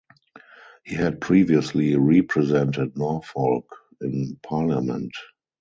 He had previously represented Norfolk in Parliament.